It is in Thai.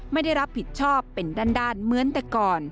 ไม่ได้รับผิดชอบเป็นด้านเหมือนแต่ก่อน